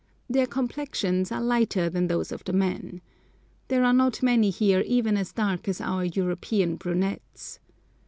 Their complexions are lighter than those of the men. There are not many here even as dark as our European brunettes.